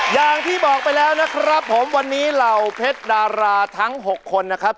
อย่างที่บอกไปแล้วนะครับผมวันนี้เหล่าเพชรดาราทั้ง๖คนนะครับ